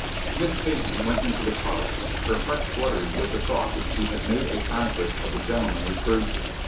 Miss Peyton went into the parlor, her heart fluttering with the thought that she had made a conquest of the gentleman referred to.